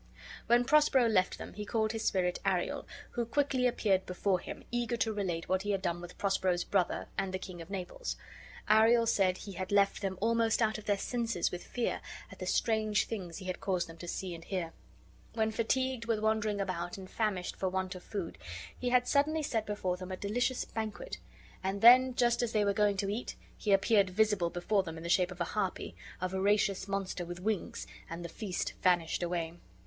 When Prospero left them, he called his spirit Ariel, who quickly appeared before him, eager to relate what he had done with Prospero's brother and the king of Naples. Ariel said he had left them almost out of their senses with fear, at the strange things he had caused them to see and hear. When fatigued with wandering about, and famished for want of food, he had suddenly set before them a delicious banquet, and then, just as, they were going to eat, he appeared visible before them in the shape of a harpy, a voracious monster with wings, and the feast vanished away.